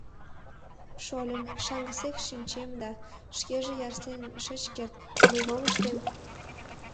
— Шольым, шаҥгысек шинчем да, шкеже ярсен шыч керт, мый мом ыштем?